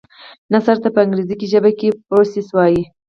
نثر ته په انګريزي ژبه کي Prose وايي.